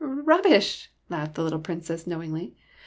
*' "Rubbish!" laughed the little Princess, knowingly.